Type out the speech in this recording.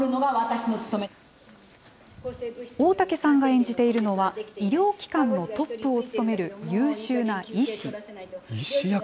大竹さんが演じているのは、医療機関のトップを務める優秀な医師。